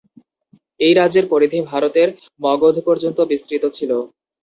এই রাজ্যের পরিধি ভারতের মগধ পর্যন্ত বিস্তৃত ছিল।